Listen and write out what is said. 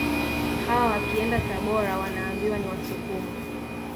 Hawa wakienda Tabora wanaambiwa ni Wasukuma